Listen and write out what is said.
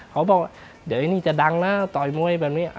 เขาบอกว่าเดี๋ยวไอ้นี่จะดังนะต่อยมวยแบบนี้